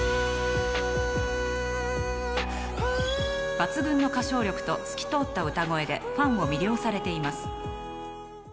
抜群の歌唱力と透き通った歌声でファンを魅了されています。